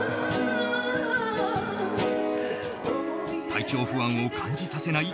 体調不安を感じさせない